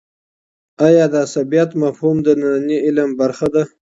آیا د عصبيت مفهوم د ننني علم برخه ده؟